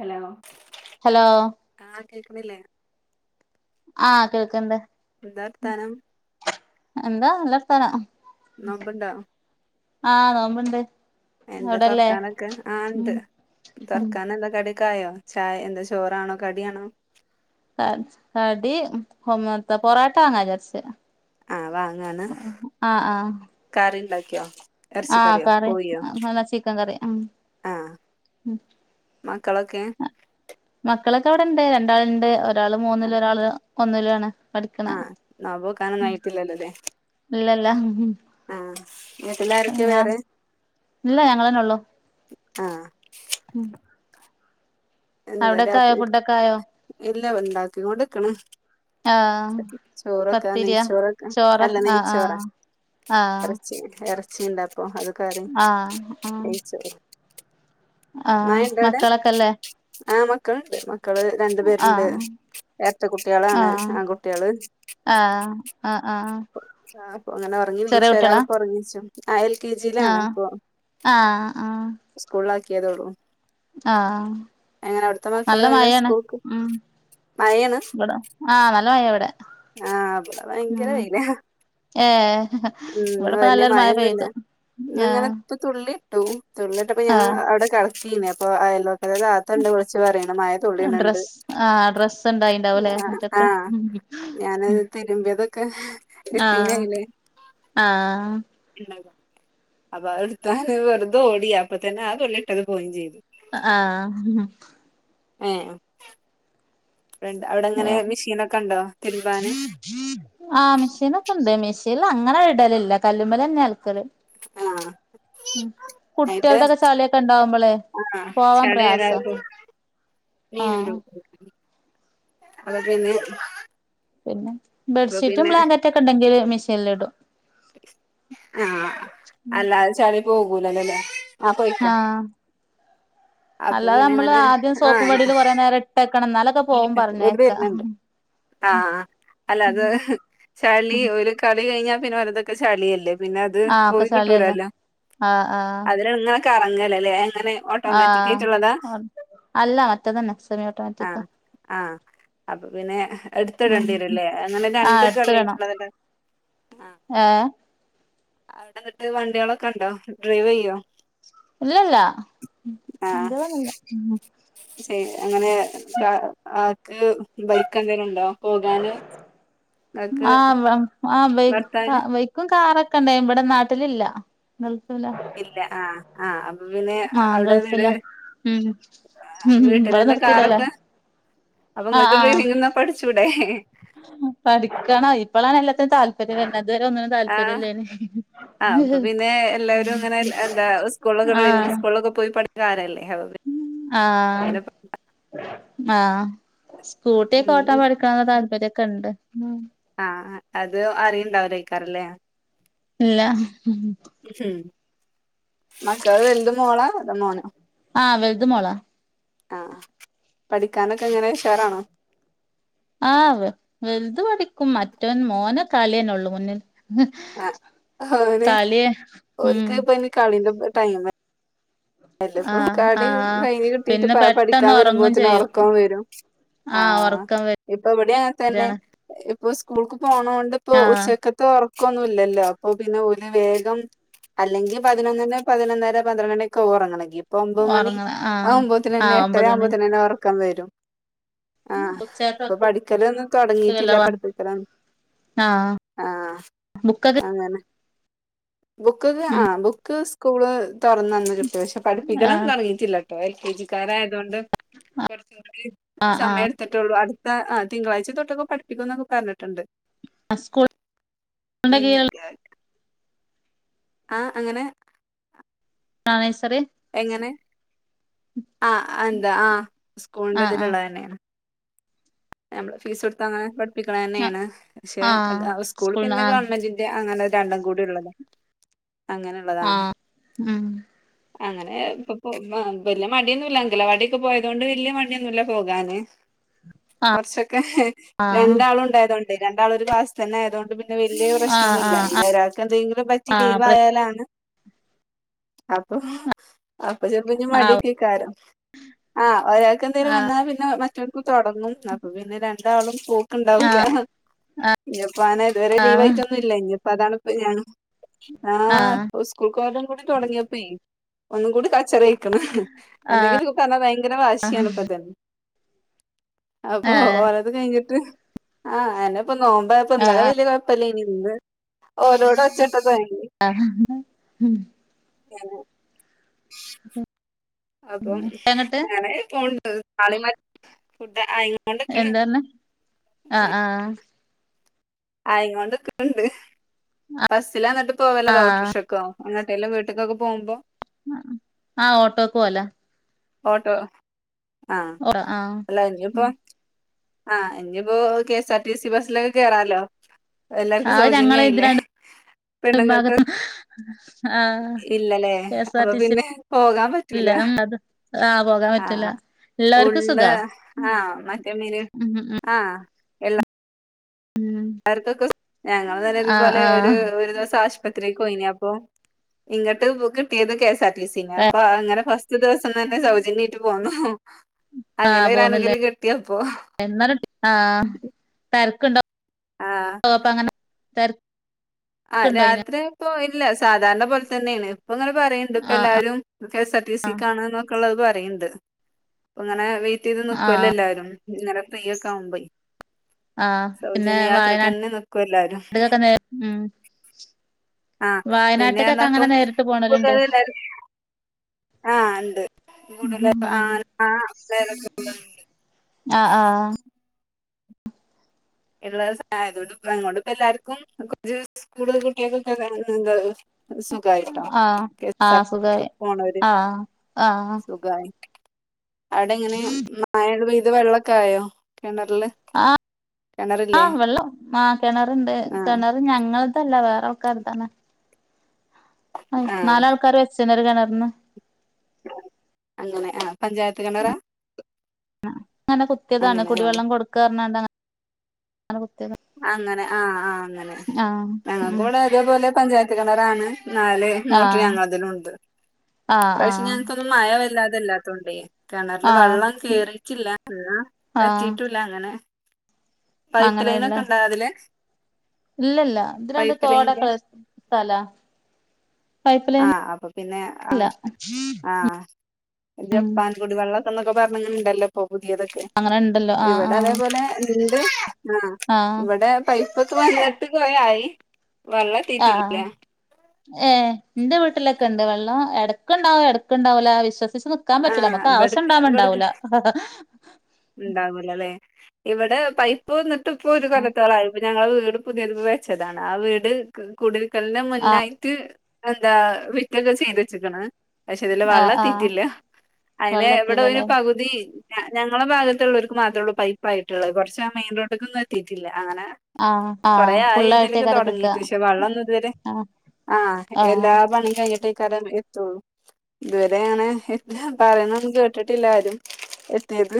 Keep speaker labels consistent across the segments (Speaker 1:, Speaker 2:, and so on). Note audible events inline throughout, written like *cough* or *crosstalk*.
Speaker 1: Hello
Speaker 2: hello
Speaker 1: ആഹ കേക്കണില്ലേ
Speaker 2: ആഹ കേൾക്കണ്ട്
Speaker 1: എന്താ വർത്താനം
Speaker 2: എന്താ നല്ല സ്ഥലം
Speaker 1: നോമ്പുണ്ടോ
Speaker 2: ആഹ് നോമ്പുണ്ട്
Speaker 1: എന്താ
Speaker 2: അവിടല്ലേ
Speaker 1: തുറക്കാനൊക്കെ ആഹ ഉണ്ട്
Speaker 2: ഉം ഉം
Speaker 1: തുറക്കൻ എന്തൊ കടി ായോ ചായ എന്താ ചോറാണോ കടിയണോ
Speaker 2: കടി മൊത്ത പൊറോട്ട വാങ്ങജാരിച്ച്
Speaker 1: ആഹ വാങ്ങാണ്
Speaker 2: ആഹ്
Speaker 1: കറി ഉണ്ടാക്കിയോ
Speaker 2: ആഹ്
Speaker 1: ഇറച്ചിക്കറിയോ
Speaker 2: കറി
Speaker 1: കോഴിയോ
Speaker 2: നല്ല ചിക്കൻ കറി ഉം
Speaker 1: ആഹ മക്കളൊക്കെ
Speaker 2: മക്കളൊക്കെ അവിടെണ്ട് രണ്ടാള ഉണ്ട് ഒരാൾ മൂന്നില ഒരാൾ ഒന്നില ആണ് പഠിക്കണ
Speaker 1: ആഹ് നോമ്പ് നോൽക്കാനൊന്നും ആയിട്ടില്ലല്ലോല്ലേ
Speaker 2: ഇല്ലല്ല
Speaker 1: ആഹ് വീട്ടിലാരൊക്കെ
Speaker 2: ഞാൻ
Speaker 1: വേറെ
Speaker 2: ഇല്ല
Speaker 1: ആഹ
Speaker 2: ഉം
Speaker 1: എന്താ രാത്രി
Speaker 2: ആയോ
Speaker 1: എല്ല ഉണ്ടാക്കി കൊണ്ടോ യിരിക്ക്ണ്
Speaker 2: ആഹ്
Speaker 1: ചോറൊക്കെ
Speaker 2: പത്തിരിയാ
Speaker 1: നെയ്ച്ചോറൊക്കെ
Speaker 2: ചോറ
Speaker 1: അല്ല
Speaker 2: ആഹ്
Speaker 1: നെയ്ച്ചോറാ
Speaker 2: ആഹ് ആഹ്
Speaker 1: ഇറച്ചി ഇറച്ചി ഉണ്ടപ്പൊ അത് കറി
Speaker 2: ആഹ് ആഹ്
Speaker 1: മ
Speaker 2: ആഹ്
Speaker 1: ഴയുണ്ടോ
Speaker 2: മക്കളൊക്കെല്ലേ
Speaker 1: വിടെആഹ് മക്കളു ഉണ്ട് മ മക്കള് രണ്ടു പേരുണ്ട്
Speaker 2: ആഹ്
Speaker 1: ഏരട്ട കുട്ടികളാണ്
Speaker 2: ആഹ്
Speaker 1: ആൺകുട്ടികള്
Speaker 2: ആഹ് ആഹ് ആഹ്
Speaker 1: ആ അ അങ്ങനെ ഉറങ്ങി
Speaker 2: ചെറിയ
Speaker 1: നീച്ചു
Speaker 2: കുട്ടികളാ
Speaker 1: ഒരാളിപ്പോ ഉറങ്ങിച്ചു ആ എൽ കെ ജിയിലാണ്
Speaker 2: ആഹ്
Speaker 1: അപ്പൊ
Speaker 2: ആഹ്
Speaker 1: സ്കൂള ആാക്കിയതോള്ളൂ
Speaker 2: ആഹ
Speaker 1: മക്കള്
Speaker 2: നല്ല
Speaker 1: എങ്ങനെ
Speaker 2: മഴയാണ്
Speaker 1: സ്കൂൾക്ക്
Speaker 2: ഉ
Speaker 1: മഴയാണ്
Speaker 2: ഇവിട ആഹ് നല്ല മയ എവിടെ
Speaker 1: ആഹ് ഇവിടെ ഭയങ്കര വെയിലാ
Speaker 2: ഏ
Speaker 1: ഉ വലിയ മയൊന്നുമില്ല ഇന്ന ഇങ്ങനെ
Speaker 2: ആഹ്
Speaker 1: ഇപ്പ തുള്ളി തു തുള്ളിട്ടപ്പപ്പോ ഞാൻ
Speaker 2: ആഹ്
Speaker 1: അവിടെ കടത്തേരുന്നുഅപ്പൊ അയൽപക്ക ത്തെത്താത്തണ്ട് വിളിച്ചച്ച് പറയാണ് മ ഴതുള്ളി ട്ണണ്ട്
Speaker 2: ഡ്രസ്സ് ആഹ് ഡ്രസ്സ് ഉണ്ടായിണ്ടാവൂലേ മുറ്റത്ത്
Speaker 1: ആ ഞൻ തിരുമ്പിതൊക്കെ കെട്ടീന് അയിൽ
Speaker 2: ആഹ
Speaker 1: അപ്പൊ അ എടുത്ത വെറുത ഓടിയ അപ്പ തന്നെ ആതള്ളിട്ടത് പോവയും ചെയ്തു
Speaker 2: ആഹ
Speaker 1: ഏഹ് ഫ്രണ്ട് അവിടെങ്ങനെ
Speaker 2: വേറെ
Speaker 1: മെഷീനൊക്കെ ഉണ്ടോ തിരുമ്പാന്
Speaker 2: ആഹ മെഷീൻൊക്കെ ഉണ്ട് മെഷീൻ അങ്ങനെ ഇടലില്ല കല്ലുമല തന്നെ ആൾക്കല്
Speaker 1: ആഹ ആയിട്ട
Speaker 2: കുട്ടികളുടെക്കെ ചളിയൊക്കെ ഉണ്ടാവുമ്പോളേ
Speaker 1: ആഹ
Speaker 2: പോവാൻ
Speaker 1: ചളി
Speaker 2: പ്രയാസാ
Speaker 1: ഏതായിരുന്നു നീ
Speaker 2: ആഹ്
Speaker 1: അപ്പൊ പിന്നെ
Speaker 2: പിന്നെ
Speaker 1: അപ്പൊ
Speaker 2: ബെഡ്ഷീറ്റും
Speaker 1: പിന്നെ
Speaker 2: ബ്ലാങ്കറ്റ ഒക്കെ ഉണ്ടെങ്കിൽ മെഷീനൽ ഇടും
Speaker 1: ആഹ അല്ലാതെ ചളി പോകൂലല്ലോല്ലേ ആഹ പോയിക്കോ
Speaker 2: ആഹ്
Speaker 1: അപ്പൊ
Speaker 2: അല്ലാതെ
Speaker 1: പിന്നെ
Speaker 2: നമ്മള്
Speaker 1: അങ്ങനെ
Speaker 2: ആദ്യം
Speaker 1: ആഹ
Speaker 2: സോപ്പും വടിയില് കൊറേ നേരം ഇട്ടേക്കണം എന്നാലൊക്കെ പോവും
Speaker 1: ഒരു
Speaker 2: പറഞ്ഞേക്കാ
Speaker 1: പരനണ്ട് ആഹ അല്ലാ അത ചളി ഒരു കളി കഴിഞ്ഞാ പിന്നെ വറതൊക്കെ ചളിയല്ലേ പിന്നെ അത്
Speaker 2: ആഹ് ഒക്കെ
Speaker 1: പോയി
Speaker 2: ചളിയല്ലേ
Speaker 1: കിട്ടൂലല്ലോ
Speaker 2: ആഹ് ആഹ്
Speaker 1: അതിൽ നിങ്ങളൊക്കെ ഇറങ്ങലല്ലേ അങ്ങനെ ഓട്ടോമാറ്റിക് ആയിട്ടുള്ളതാ
Speaker 2: ആഹ് അല്ല മറ്റേതന്നെ സെമി
Speaker 1: ആഹ
Speaker 2: ഓട്ടോമാറ്റിക്കാ
Speaker 1: ആഹ അപ്പൊ പിന്നെ
Speaker 2: ഉം
Speaker 1: എടുത്തിടേണ്ടിരല്ലേ അങ്ങനെ രണ്ട് തള്ളീട്ടുള്ളത്ല്ല
Speaker 2: ആഏ
Speaker 1: അവിടെ എന്നിട്ട് വണ്ടികളൊക്കെ ഉണ്ടോ ഡ്രൈവ് ചെയ്യോ
Speaker 2: ഇല്ലല്ല എന്ത വന്നില്ല
Speaker 1: ശെ അങ്ങനെ ആക്ക് ബൈക്ക് എന്തേലും ഉണ്ടോ പോകാന് ഇങ്ങക്ക്
Speaker 2: ആ ആ
Speaker 1: ഭർത്താവിന്
Speaker 2: ബൈക്കും കാറൊക്കെ ഉണ്ട ഇവിടെ നാട്ട ഇതിലില്ല
Speaker 1: ഇല്ല ആഹ് ആഹ് അപ്പൊ പിന്നെ
Speaker 2: ആ
Speaker 1: അവിടെ വീട്
Speaker 2: ഗൾഫില ഉം ഉം വടെ
Speaker 1: വീട്ടിലന്നെ
Speaker 2: നിർത്തിടല
Speaker 1: കാറൊക്കെ അപ്പൊ
Speaker 2: ആഹ്
Speaker 1: നിങ്ങക്ക്
Speaker 2: ആഹ്
Speaker 1: ഡ്രൈവിംഗ് ന്നാ പഠിച്ചുടടെ
Speaker 2: പഠിക്കണം ഇപ്പോളാണ് എല്ലാത്തിനും താല്പര്യംല്ല ഇതുവരെ ഒന്നും
Speaker 1: ആഹ്
Speaker 2: താല്പര്യല്ല
Speaker 1: ആഹ് അപ്പൊ പിന്നെ എല്ലാവരും ഇങ്ങനെ എന്താ സ്കൂളിലൊക്കെ
Speaker 2: ആ
Speaker 1: ഡ്രൈവിംഗ് സ്കൂളിലൊക്കെ പോയി പഠ ആരല്ലേ
Speaker 2: ആഹ് സ്കൂട്ടിയക്കെ ഓട്ടാൻ പഠിക്കണം എന്നുള്ള താല്പര്യൊക്കെ ഉണ്ട്
Speaker 1: ആഹ അത് അറിയുണ്ടാ വിലേക്കാരം ലെ
Speaker 2: ഇല്ല
Speaker 1: മക്കൾ വലത മോളാ അതാ മോനോ
Speaker 2: ആഹ് വെലുത മോളാ
Speaker 1: ആഹ് പഠിക്കാനൊക്കെ എങ്ങനെ ഉഷാറാണോ
Speaker 2: ആ് വെ വെലുതു പഠിക്കും മറ്റവൻ മോന കാലേനുള്ളൂ മുന്നിൽ
Speaker 1: ആഹ് ഹാണ്
Speaker 2: കളി ഉം
Speaker 1: അല്ലപ്പോ
Speaker 2: ആഹ്
Speaker 1: കളി
Speaker 2: ആഹ്
Speaker 1: കഴിഞ്ഞ് കിട്ടീട്ട്
Speaker 2: പിന്നെ
Speaker 1: പ
Speaker 2: പെട്ടെന്ന്
Speaker 1: പഠിക്കാൻ
Speaker 2: ഉറങ്ങും
Speaker 1: വരുമ്പോത്തിന്
Speaker 2: ചെയ്യും
Speaker 1: ഒറക്കം വരും. ആഹ് ഇപ്പൊ വ്ട്യങ്ങൻ തെന്നെ
Speaker 2: വരാണ്
Speaker 1: ഇപ്പൊ സ് കൂൾക്ക് പോണോണ്ട് പ്പോ
Speaker 2: ആഹ്
Speaker 1: ഉച്ചക്കത്തെ ഒറ ക്കൊന്നുല്ലല്ലോ അപ്പൊ പിന്നെ ഓല് വേഗം അല്ലെങ്കി പതിനൊന്നിന് പതിനൊന്നര പന്ത്രണ്ടണി ക്കാവൊർങ്ങണെങ്കി പ്പൊ ഒമ്പത് മണി
Speaker 2: ഉറങ്ങണ ആഹ്
Speaker 1: ആവുമ്പോത്തിനെന്നെ
Speaker 2: ആഹ് ഒമ്പത് മണി
Speaker 1: എട്ടരാവുമ്പോത്തിനെന്നെ ഒർക്കം വരും. ആഹ് പ്പൊ
Speaker 2: ഉച്ചക്കൊക്കെ
Speaker 1: പഠിക്കലൊന്നും തൊടങ്ങിട്ടില്ല പഠിപ്പിക്കലാണ്.
Speaker 2: ആഹ്
Speaker 1: ആഹ്
Speaker 2: ബുക്കൊക്കെ
Speaker 1: അങ്ങനെ ബുക്കൊക്കെ
Speaker 2: ഉം
Speaker 1: ആഹ് ബുക്ക് സ്കൂള് തോർ ത്ക്ഷെ പഠിപ്പിക്കലൊന്നും
Speaker 2: ആഹ്
Speaker 1: തൊടങ്ങിട്ടില്ലട്ടോ എൽ കെ ജിക്കാരായ തൊണ്ട് കൊർച്ചും കൂടി സമയെട്ത്ത്ട്ടൊള്ളൂ അട് ത്ത ആ തിങ്കളാഴ്ച്ചതൊട്ടൊക്കെ പഠിപ്പിക്കുന്നൊക്കെ പർഞ്ഞിട്ട്ണ്ട്.
Speaker 2: ആഹ് സ്കൂൾ *unintelligible*
Speaker 1: ആഹ് അങ്ങനെ
Speaker 2: ആഹ് നെഴ്സറി
Speaker 1: എങ്ങനെ ആഹ് എന്താ ആഹ് സ്കൂളിന്റെ
Speaker 2: ആഹ്
Speaker 1: തില്ള്ളതെന്നെണ്. നമ്മള് ഫീസൊട്ത്തങ്ങനെ പഠി
Speaker 2: ആഹ്
Speaker 1: പ്പിക്കണെന്നെണ് പക്ഷെ
Speaker 2: ആഹ്
Speaker 1: അത് ആ സ്കൂൾ
Speaker 2: സ്കൂൾന്ന്
Speaker 1: പിന്നെ
Speaker 2: ആഹ്
Speaker 1: ഗവൺമെന്റിന്റെ അങ്ങനെ രണ്ടും കൂടിള്ളത അങ്ങനെള്ളതാണ്.
Speaker 2: ആഹ് ഉം
Speaker 1: അങ്ങനെ ഇപ്പൊ പ്പൊ പൊ വെല്ല്യെ മട്യൊന്നുല്ല അങ്കലവാട്യൊക്കെ പോയതോണ്ട് വെല്ല്യെ മട്യൊന്നുല്ല പോകാന്. കൊർച്ചൊക്കെ
Speaker 2: ആഹ്
Speaker 1: രണ്ടാളുണ്ടായതൊണ്ടെ രണ്ടാളൊരു ക്ലാസിന്നായതൊണ്ട് പ്പൊ പിന്നെ വെല്ല്യെ
Speaker 2: ആഹ് ആഹ്
Speaker 1: പ്രശ്നൊന്നുല്ല
Speaker 2: ആഹ്
Speaker 1: പിന്നൊരാൾക്കെന്തെങ്കിലും പറ്റി
Speaker 2: ആഹ്
Speaker 1: ലീവായാലാണ് അപ്പം അപ്പ ചെൽപ്പെങ്കി
Speaker 2: ആഹ് ആഹ്
Speaker 1: മട്യെക്കെക്കാരം ആഹ് ഒരാൾക്കെ ന്തെലും വന്നാ പിന്നെ മ റ്റാക്കും തൊടങ്ങും അപ്പൊ പിന്നെ രണ്ടാളും പോ മക്കള് ഉണ്ടാവൂല ഇനിപ്പ ഇതുവരെ ലീവ് ആയിട്ടൊന്നുംല്ല ഇനിപ്പ അതാണ് ഇപ്പ ഞാൻ ആഹ് സ്കൂൾ കോളേജും കൂടി തൊടങ്ങിയപ്പഴേ ഒന്നും കൂടി കച്ചറയ്ക്കണ് എന്തെങ്കിലും ഒക്കെ പറഞ്ഞാൽ ഭയങ്കര വാശിയാണ് ഇപ്പൊതന്നെ അപ്പൊ
Speaker 2: ഏഹ്
Speaker 1: ഓരോത് കഴിഞ്ഞിട്ട് ആ എന്നെ ഇപ്പ നോമ്പപോപ്പ ഇന്നലെ വലിയ കൊഴപ്പല്ല ഇനി ഒന്നോടെ ഒച്ച ഒണ്ടാക്കുവാ ഞാന്
Speaker 2: *unintelligible*
Speaker 1: *inaudible* അപ്പം
Speaker 2: എങ്ങട്ട്
Speaker 1: ഞാന് പോണ്ടത് നളെ മറ്റ ആയി കൊണ്ട് ക്ക്
Speaker 2: എന്താർഞ്ഞെ ആഹ്
Speaker 1: ണ്
Speaker 2: ആഹ്
Speaker 1: *unintelligible* ആയികൊണ്ട് നിക്കിണ്ട് ബസ്സിലാണ് ഇത്പ്പോ വല്ലതോ ഓട്ടോറിക്ഷക്കോ എന്തെങ്കിലും വീട്ടിക്കൊക്കെ പോക്മ്പോ
Speaker 2: ആഹ് ഓട്ടോക്ക് പോല
Speaker 1: ഓട്ടോ ആ
Speaker 2: ആഹ്
Speaker 1: അല്ല ഇനിയിപ്പോ
Speaker 2: ഉം
Speaker 1: - ആഹ് ഇനിയിപ്പോ കെഎസ് ആർ ടി സി ബസ്സിലൊക്കെ കേറാലോ എല്ലാർക്കും
Speaker 2: അത് ഞങ്ങളെ ഇത്
Speaker 1: സൗജന്യായില്ലേ.
Speaker 2: രണ്ട്
Speaker 1: പെണ്ണുങ്ങൾക്ക്
Speaker 2: ഭാഗത്ത് ആഹ്
Speaker 1: ഇല്ല ല്ലേ
Speaker 2: കെ എസ് ആർ
Speaker 1: അപ്പൊ
Speaker 2: ടി സി
Speaker 1: പിന്നെ പോകാൻ പറ്റൂല
Speaker 2: ഇല്ല അത് ആ പോകാൻ പറ്റില്ല. ഉം ഉം
Speaker 1: *unintelligible*
Speaker 2: ഉം
Speaker 1: അവർക്കൊക്കെ സ്കൂള് ഞങ്ങള് തന്നെ
Speaker 2: ആഹ്
Speaker 1: ഇതുപോലെ ഒരു
Speaker 2: ആഹ്
Speaker 1: ഒരു ദിവസം ആശുപത്രി ത്രി പോയിഞ്ഞി ഇങ്ങോട്ട് ബുക്കാക്കിയത് K S R T - P C നപ്പ അങ്ങനെ ഫസ്റ്റ് ദിവസം തന്നെ സൗജന്യമായിട്ട് പോന്നു. അങ്ങനെ
Speaker 2: ആഹ്
Speaker 1: ഒരു
Speaker 2: പോന്നില്ലേ
Speaker 1: അനുകൂല്യം കിട്ടിയപ്പൊ.
Speaker 2: എന്നാലും തെരക്ക്ണ്ടാവോ
Speaker 1: ആഹ്
Speaker 2: അപ്പ *unintelligible*
Speaker 1: ആ
Speaker 2: തെരക്ക്ണ്ടോ അയിന്
Speaker 1: രാത്രി പ്പോ ഇല്ല സാധാരണ പോലെ തന്നെയാണ്. അപ്പൊ ങ്ങനെ പറയണ്ട് ഇപ്പൊ
Speaker 2: ആഹ്
Speaker 1: എല്ലാരും കെ എസ്ആർ ടി സി കാണ് എന്നൊക്കെള്ളത് പറ യ്ണ്ട് അങ്ങനെ വെയിറ്റ് ചെയ്ത്
Speaker 2: ആഹ് ആഹ്
Speaker 1: നിക്കുവല്ലേ എല്ലാരും ഇങ്ങനെ ഫ്രീ ഒക്കെ ആകുമ്പയെ
Speaker 2: ആഹ് പിന്നെ വയനാട്ട്ക്കൊക്കെ
Speaker 1: സൗജന്യയാത്രക്കന്നെ നിക്കും എല്ലാരും.
Speaker 2: നേ ഉം
Speaker 1: ആ
Speaker 2: വയനാട്ട്ക്കൊക്കെ അങ്ങനെ
Speaker 1: പിന്നെന്നപ്പം
Speaker 2: നേരിട്ട്
Speaker 1: കൂ
Speaker 2: പോണല്ണ്ട്
Speaker 1: *unintelligible* ആ ഇണ്ട്
Speaker 2: ഉം
Speaker 1: *unintelligible*
Speaker 2: ആ ആ
Speaker 1: *unintelligible* എല്ലാർക്കും *unintelligible* സ്‌കൂൾ കുട്ടി *unintelligible* സുഖായിട്ടോ
Speaker 2: ആഹ്
Speaker 1: കെ എസ് ആർ
Speaker 2: ആഹ്
Speaker 1: ടി സി ക്ക്
Speaker 2: സുഖായി
Speaker 1: പോണര്
Speaker 2: ആഹ് ആഹ്
Speaker 1: സുഖായി അവിടെ എങ്ങനെ മയക്കെ പെയ്ത് വെള്ളോക്കെ ആയോ കെണർല്?
Speaker 2: ആ വെള്ളം ആ കിണറുണ്ട്.
Speaker 1: ആഹ്
Speaker 2: കിണർ ഞങ്ങൾതല്ല വേറെ ആൾക്കാരുതാണ്. ആ
Speaker 1: ആഹ്
Speaker 2: നാലൾക്കാര് വെച്ചാണ് ഒര് കെണർന്
Speaker 1: അങ്ങനെ ആ പഞ്ചായത്ത് കിണറാ
Speaker 2: അങ്ങനെ കുത്തിയതാണ്
Speaker 1: അങ്ങനെ ആഹ്
Speaker 2: കുടിവെള്ളം കൊടുക്കറഞ്ഞോണ്ട്ങ്ങനെ
Speaker 1: അങ്ങനെ ആഹ് ആ അങ്ങനെ
Speaker 2: ആഹ് ഉം
Speaker 1: ഞങ്ങക്കിവിടെ അതേപോലെ പഞ്ചായത്ത് കെണറാണ് നാല് മോട്ടർ
Speaker 2: ആഹ്
Speaker 1: ഞങ്ങളതിലുണ്ട്
Speaker 2: ആഹ്
Speaker 1: ഇപ്രാവശ്യ
Speaker 2: ആഹ്
Speaker 1: ഞങ്ങക്കൊന്നും മഴ വല്ലാതെല്ലാത്തോണ്ടേ കിണറില്
Speaker 2: ആഹ്
Speaker 1: വെള്ളം കേറിട്ടില്ല എ പറ്റിട്ടുല്ല അങ്ങനെ
Speaker 2: അങ്ങനെയല്ലേ
Speaker 1: എ
Speaker 2: ഇല്ലല്ല ഇത് രണ്ട് തോടക്കള്ള സ്ഥലാ പൈപ്പ് ലൈൻ
Speaker 1: ആഹ് അപ്പൊ പിന്നെ
Speaker 2: ഇല്ല
Speaker 1: ആഹ് ആഹ് ജപ്പാൻ കുടി വെള്ളം എന്നൊക്കെ പറഞ്ഞങ്ങനെണ്ടല്ലോ ഇപ്പൊ പുതിയതൊക്കെ
Speaker 2: അങ്ങനെ ഉണ്ടല്ലോ ആഹ്
Speaker 1: ഇവിടെ അതേപോലെ ണ്ട് ആ
Speaker 2: ആഹ് ആഹ്
Speaker 1: ഇവിടെ പൈപ്പൊക്കെ വന്നിട്ട് കൊറേയായി വെള്ളെത്തീട്ടില്ല
Speaker 2: ആഹ് ഏ എന്റെ വീട്ടിലൊക്കെ ഉണ്ട് വെള്ളം എടക്കണ്ടാവും എടക്കണ്ടാവൂല്ല വിശ്വ ഒരീസം നിക്കാൻ പറ്റൂല
Speaker 1: ആഹ്
Speaker 2: നമ്മുക്ക്
Speaker 1: ഇബട്ക്ക് ഇബട്ക്ക്
Speaker 2: ആവശ്യംണ്ടാവുമ്പണ്ടാവൂല ല ഹ ഹ ഹ
Speaker 1: ഇണ്ടാവൂലല്ലേ ഇവിടെ പൈപ്പ് വന്നിട്ട ഇപ്പൊ ഒരു കൊല്ലത്തോളായി ഇപ്പ ഞങ്ങള് വീട് പുതിയത് വെച്ചതാണ് ആ വീട് കുടരിക്കലിന്
Speaker 2: ആഹ്
Speaker 1: മുന്നായിട്ട് എന്താ ഫിറ്റൊക്കെ ചെയ്ത് വെച്ച്ക്കണ് പക്ഷെ ഇതില്
Speaker 2: ആഹ്
Speaker 1: വെള്ളം
Speaker 2: ആഹ്
Speaker 1: എത്തീറ്റില്ല അയ്ന് ഇവിടെ ഒരു
Speaker 2: വെള്ളത്തിലല്ലേ
Speaker 1: പകുതി ഞങ്ങളുടെ ഭാഗത്തുള്ളവർക്ക് മാത്രേള്ളൂ പൈപ്പ ആയിട്ടുള്ളത് കുറച്ച ആ മെയിൻ റോട്ടിക്കൊന്നും എത്തിയിട്ടില്ല അങ്ങനെ
Speaker 2: ആഹ്
Speaker 1: കൊറേ
Speaker 2: ആഹ്
Speaker 1: ആയി ഇതിലൊക്കെ
Speaker 2: ഫുള്ളായിട്ടേക്കാരം കിട്ട
Speaker 1: തുടങ്ങീട്ട് പക്ഷെ വെള്ള ഒന്നും ഇതുവരെ
Speaker 2: ആഹ്
Speaker 1: ആഹ് എല്ലാ പണിയും കഴിഞ്ഞിട്ടെ കരം എത്തുള്ളൂ ഇതുവരെയാണ് എ പറയുന്ന ഒന്നും കേട്ടിട്ടില്ലാരും ത്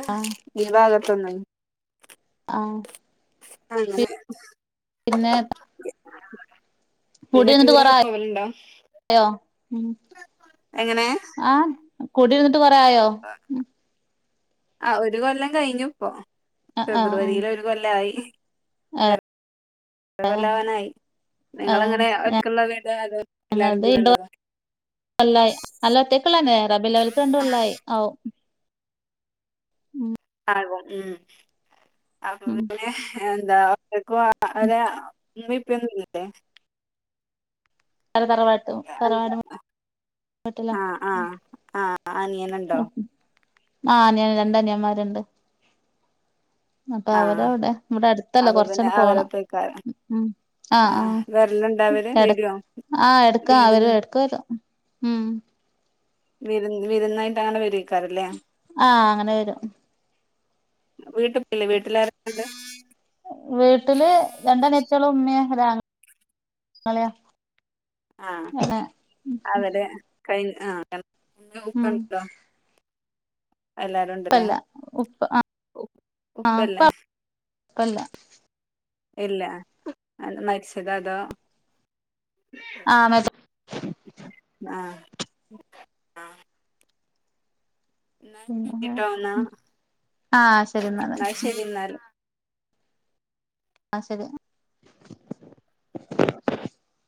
Speaker 1: ഈ ഭാഗത്തുന്നന്നെ
Speaker 2: ആഹ്
Speaker 1: അങ്ങനെ
Speaker 2: പിന്നെ
Speaker 1: പിന്നെ
Speaker 2: കുടിരുന്നിട്ട്
Speaker 1: ടൂറൊക്കെ പോവലുണ്ടോ
Speaker 2: കൊറയോ ഉം
Speaker 1: എങ്ങനെ
Speaker 2: ആഹ് കുടിരിന്നിട്ട് കൊറേ അയോ ഉം
Speaker 1: ആ ഒരു കൊല്ലം കഴിഞ്ഞു ഇപ്പോ
Speaker 2: ആഹ് ആഹ്
Speaker 1: ഫെബ്രുവരിൽ ഒരു കൊല്ലായി അന്നേരം ഒരു കൊല്ലാവാനായി
Speaker 2: ആഹ്
Speaker 1: നിങ്ങളെങ്ങനെ ഒര്ക്കുള്ള വീടാണോ അതോ എല്ലാരും
Speaker 2: ഞങ്ങൾത്
Speaker 1: കൂടെ
Speaker 2: രണ്ട്
Speaker 1: ഉള്ളതോ
Speaker 2: അല്ല അല്ലാത്തേക്കള്ളന്നെ റബ്ബിഉൽ അവ്വല്ക്ക് രണ്ടും കൊല്ലായി ആവും
Speaker 1: ആവും ഉം അപ്പ
Speaker 2: ഉം
Speaker 1: പിന്നെ എന്താ അപ്പ ഓരെ ഉമ്മേം പ്പന്നും ഇല്ലേ
Speaker 2: അ തറവാട്ടും തറവാട ട്ടിലാ
Speaker 1: ആഹ് ആഹ്
Speaker 2: ഉം
Speaker 1: അനിയനുണ്ടോ
Speaker 2: *unintelligible* ആഹ് അന *unintelligible* ൻ രണ്ട അനിയൻന്മാരുണ്ട് അപ്പൊ അവര്
Speaker 1: ആഹ്
Speaker 2: അവിടെ ഇവിടെ അടുത്തല്ല
Speaker 1: അപ്പൊ പിന്നെ
Speaker 2: കൊറച്ചണ് പോണം
Speaker 1: അവരൊപ്പേക്കാരം
Speaker 2: ഉം ആഹ് ആ
Speaker 1: ണ്ടാവര് വരോ
Speaker 2: ആഹ് എടുക്കാ
Speaker 1: വിരു
Speaker 2: അവര് എടുക്കരും ഉം
Speaker 1: വിരുന്ന് വിരുന്നായിട്ട് അങ്ങനെ വരക്കാറല്ലേ
Speaker 2: ആഹ് അങ്ങനെ വരും
Speaker 1: വീട്ടിപ്പല്ലേ വീട്ടിലാരണ്ട്
Speaker 2: വീട്ടില് രണ്ട നെത്യളു മ്മി ഒരാങ്ങള
Speaker 1: ആഹ് അവര് കൈന് *unintelligible*
Speaker 2: ഇപ്പല്ല ഉപ്പ ആഹ് ആപ്പ
Speaker 1: ഉപ്പല്ലേ
Speaker 2: പ്പല്ല
Speaker 1: ഇല്ല അൽ മര്ചതോ അതോ
Speaker 2: ആഹ് മര്
Speaker 1: ആഹ് ആഹ് എന്നാ ശരിട്ടോന്നാ
Speaker 2: ആഹ് ശരി എന്നാല്
Speaker 1: ന്നാ ശരിന്നാൽ
Speaker 2: ആഹ് ശരി